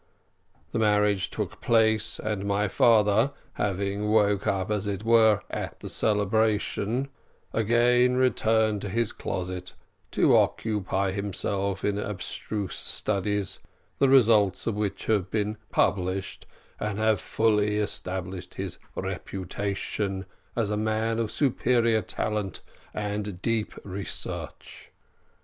The marriage took place, and my father, having woke up as it were at the celebration, again returned to his closet, to occupy himself with abstruse studies; the results of which have been published, and have fully established his reputation as a man of superior talent and deep research.